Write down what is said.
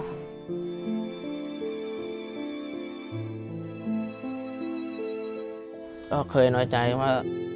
ก็เคยน้อยใจว่า